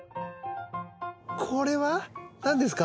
これは何ですか？